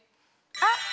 あっ！